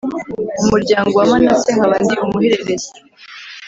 mu muryango wa Manase nkaba ndi umuhererezi.